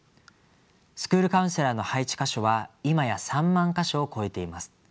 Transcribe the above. スクールカウンセラーの配置箇所は今や３万か所を超えています。